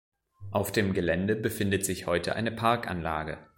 Auf dem Gelände befindet sich heute eine Parkanlage.